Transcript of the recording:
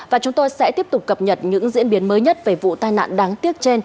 và chúng tôi sẽ tiếp tục cập nhật những diễn biến mới nhất về vụ tai nạn đáng tiếc trên